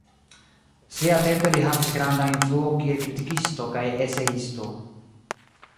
Siatempe li havis grandan influon kiel kritikisto kaj eseisto.